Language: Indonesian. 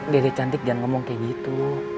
dede cantik jangan ngomong kayak gitu